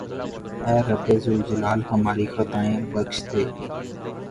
اے رب ذوالجلال ھماری خطائیں بخش دے